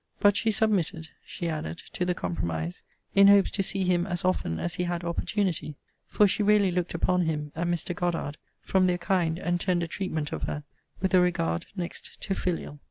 But she submitted, she added, to the compromise, in hopes to see him as often as he had opportunity; for she really looked upon him, and Mr. Goddard, from their kind and tender treatment of her, with a regard next to filial.